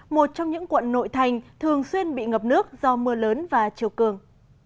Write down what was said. một trong những quận nội thành thường xuyên bị ngập nước do mưa lớn và chiều cường